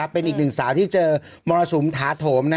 เป็นอีกหนึ่งสาวที่เจอมรสุมถาโถม